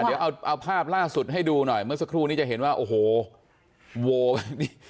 เดี๋ยวเอาภาพล่าสุดให้ดูหน่อยเมื่อสักครู่นี้จะเห็นว่าโอ้โหโวแบบนี้